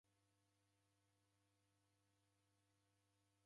Kora mwalumu kushome